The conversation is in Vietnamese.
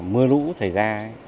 mưa lũ xảy ra